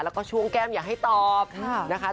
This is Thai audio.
แล้วก็ช่วงแก้มอย่าให้ตอบนะคะ